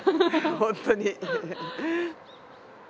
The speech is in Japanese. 本当に。